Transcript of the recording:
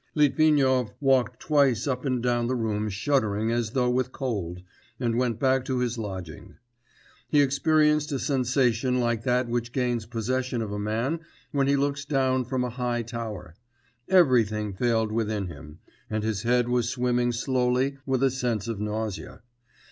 Litvinov walked twice up and down the room shuddering as though with cold, and went back to his lodging. He experienced a sensation like that which gains possession of a man when he looks down from a high tower; everything failed within him, and his head was swimming slowly with a sense of nausea.